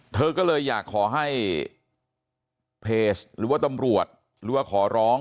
เธอก็เลยอยากขอให้เพจหรือว่าตำรวจหรือว่าขอร้อง